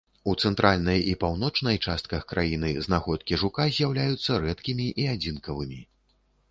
У цэнтральнай і паўночнай частках краіны знаходкі жука з'яўляюцца рэдкімі і адзінкавымі.